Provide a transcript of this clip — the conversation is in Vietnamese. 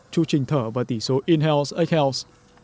chu trình thở và tỷ số in health egg health